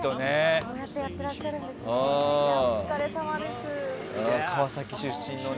ああやってやってらっしゃるんですね。